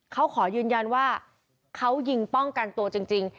เขาขอยืนยันว่าเขายิงป้องกันตัวจริง